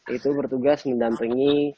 itu bertugas mendampingi